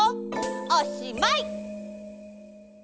おしまい！